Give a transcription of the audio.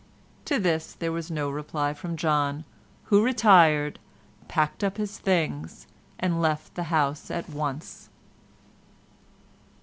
To this there was no reply from John, who retired, packed up his things, and left the house at once.